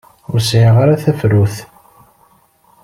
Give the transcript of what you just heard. Ur sɛiɣ ara tafrut.